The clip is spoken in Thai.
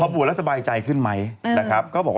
ใช่พอบวชแล้วสบายใจขึ้นไหมนะครับ